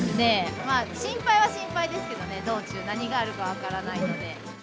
まあ心配は心配ですけどね、道中、何があるか分からないので。